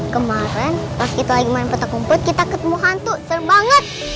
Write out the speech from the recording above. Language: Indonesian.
kemaren pas kita lagi main petak upet kita ketemu hantu seru banget